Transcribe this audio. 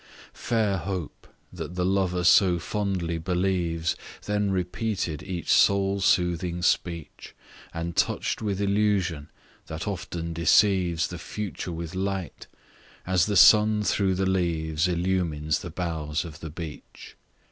Fair Hope, that the lover so fondly believes, Then repeated each soul soothing speech, And touch'd with illusion, that often deceives The future with light; as the sun through the leaves Illumines the boughs of the beech.